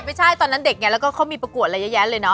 ไม่ใช่ตอนนั้นเด็กไงแล้วก็เขามีประกวดอะไรเยอะแยะเลยเนอ